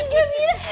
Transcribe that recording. jadi tiga bira